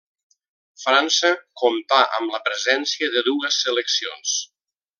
França comptà amb la presència de dues seleccions.